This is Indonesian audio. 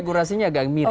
konfigurasinya agak mirip